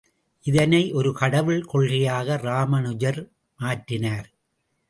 இதனை ஒரு கடவுள் கொள்கையாக ராமானுஜர் மாற்றினார்.